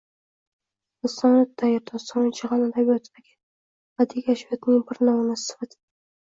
«Lisonut-tayr» dostoni jahon adabiyotidagi badiiy kashfiyotning bir namunasi sifatida